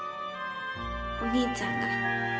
お兄ちゃんが。